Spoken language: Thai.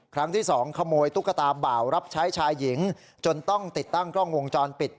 ครั้งที่สองขโมยตุ๊กตาบ่าวรับใช้ชายหญิงจนต้องติดตั้งกล้องวงจรปิด